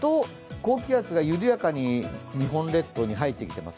高気圧が緩やかに日本列島に入ってきています。